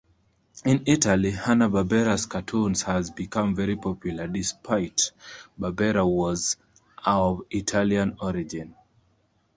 In Italy, Hanna-Barbera's cartoons has become very popular, despite Barbera was of Italian origin.